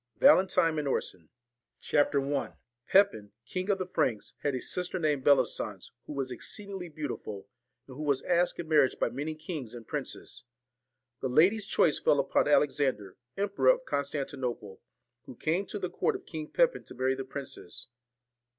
VALENTINE AND ORSON CHAPTER I JEPIN, King of the Franks, had a sister VALEN named Bellisance, who was exceed ingly beautiful, and who was asked in marriage by many kings and princes. The lady's choice fell upon Alex ander, Emperor of Constantinople, who came to the court of King Pepin to marry the princess.